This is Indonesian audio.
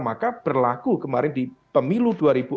maka berlaku kemarin di pemilu dua ribu empat belas